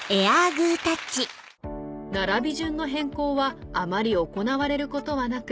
並び順の変更はあまり行われることはなく